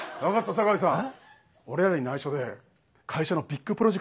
酒井さん